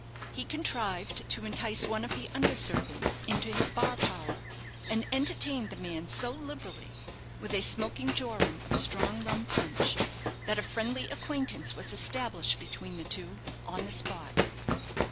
He contrived to entice one of the under servants into his bar parlour, and entertained the man so liberally, with a smoking jorum of strong rum punch, that a friendly acquaintance was established between the two on the spot.